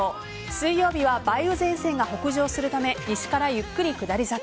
水曜日は梅雨前線が北上するため西からゆっくり下り坂。